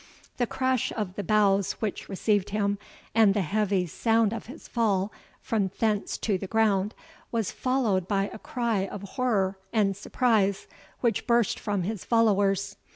The crash of the boughs which received him, and the heavy sound of his fall from thence to the ground, was followed by a cry of horror and surprise, which burst from his followers.